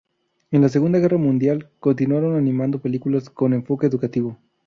En la Segunda Guerra Mundial, continuaron animando películas con enfoque educativo.